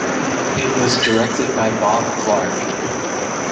It was directed by Bob Clark.